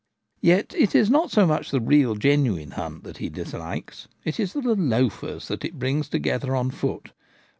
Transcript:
Yet it is not so much the real genuine hunt that he dislikes : it is the loafers it brings together on foot.